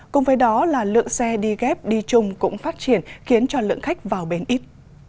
cùng với đó là lượng xe đi ghép đi chung cũng phát triển khiến cho lượng khách vào bến ít